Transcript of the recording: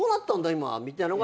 今みたいなのが。